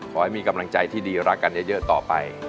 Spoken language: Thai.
ขอให้มีกำลังใจที่ดีรักกันเยอะต่อไป